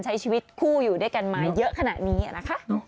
ใช้ชีวิตคู่อยู่ด้วยกันมาเยอะขนาดนี้นะคะ